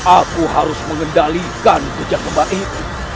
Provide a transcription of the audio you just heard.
aku harus mengendalikan kejahatan baik